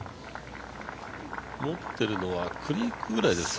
持っているのはクリークぐらいですか。